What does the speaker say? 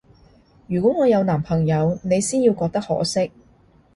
如果我有男朋友，你先要覺得可惜